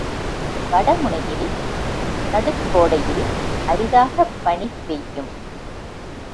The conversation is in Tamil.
வட முனையில் நடுக்கோடையில் அரிதாகப் பனி பெய்யும்.